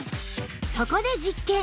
そこで実験